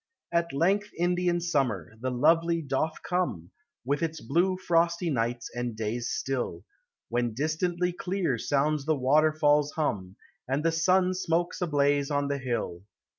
At length Indian Summer, the lovely, doth come, With its blue frosty nights, and days still, When distantly clear sounds the waterfall's hum, And the sun smokes ablaze on the hill